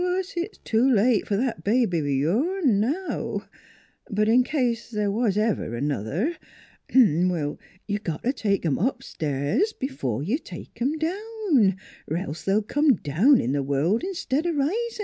Course it's too late f'r that baby o' yourn now; but in case th' was ever another you got t' take 'em up stairs b'fore you take 'em down, 'r else they'll come down in th' world, 'stead o' risin'.